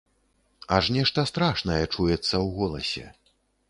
Аж нешта страшнае чуецца ў голасе.